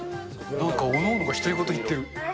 なんかおのおのが独り言言ってる。